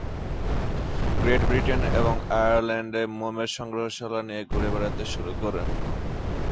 Great Britain এবং আয়ারল্যান্ডে মোমের সংগ্রহশালা নিয়ে ঘুরে বেড়াতে শুরু করেন।